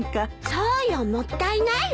そうよもったいないわ。